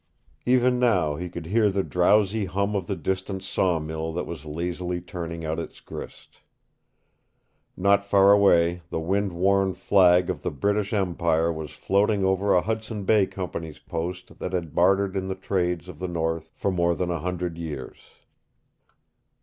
Even now he could hear the drowsy hum of the distant sawmill that was lazily turning out its grist. Not far away the wind worn flag of the British Empire was floating over a Hudson Bay Company's post that had bartered in the trades of the North for more than a hundred years.